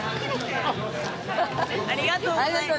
ありがとうございます。